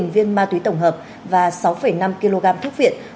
hai mươi bốn viên ma túy tổng hợp và sáu năm kg thuốc viện